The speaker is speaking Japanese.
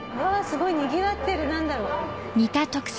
すごいにぎわってる何だろう？